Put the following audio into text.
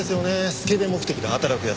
スケベ目的で働く奴。